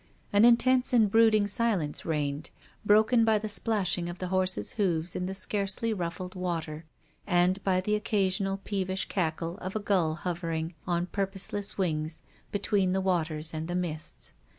An intense and brooding silence reigned, broken by the splashing of the horse's hoofs in the scarcely ruffled water, and by the occasional peevish cackle of a gull hovering, on purposeless wings, between the waters and the mists.